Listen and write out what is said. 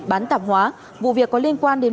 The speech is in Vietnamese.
bán tạp hóa vụ việc có liên quan đến